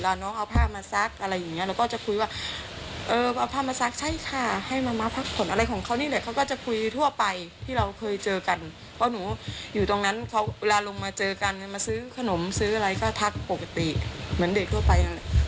และพูดจาภัยร้อจนอยากให้เหตุการณ์ที่เกิดขึ้นเป็นเพียงแค่ฝันร้าย